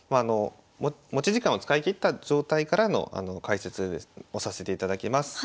持ち時間を使い切った状態からの解説をさせていただきます。